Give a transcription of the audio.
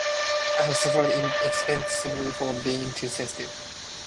I have suffered inexpressibly for being too sensitive